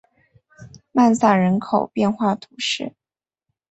曼萨人口变化图示